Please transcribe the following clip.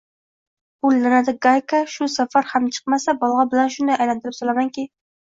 bu la’nati gayka shu safar ham chiqmasa, bolg‘a bilan shunday aylantirib solamanki